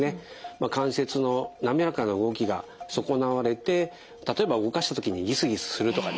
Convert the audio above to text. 関節の滑らかな動きが損なわれて例えば動かした時にギスギスするとかですね